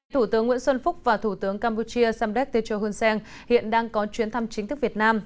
thủ tướng nguyễn xuân phúc và thủ tướng campuchia samdek techo hunseng hiện đang có chuyến thăm chính thức việt nam